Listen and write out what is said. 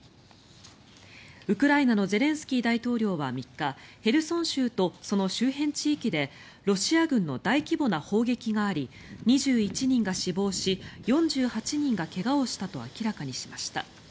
ウクライナのゼレンスキー大統領は３日ヘルソン州とその周辺地域でロシア軍の大規模な砲撃があり２１人が死亡し４８人が怪我をしたと明らかにしました。